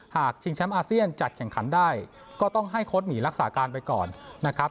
ชิงแชมป์อาเซียนจัดแข่งขันได้ก็ต้องให้โค้ดหนีรักษาการไปก่อนนะครับ